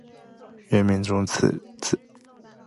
元明宗次子。